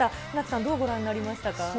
船木さん、どうご覧になりましたか。